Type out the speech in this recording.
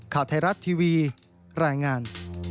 ข่าวไทยรัฐทีวีรายงาน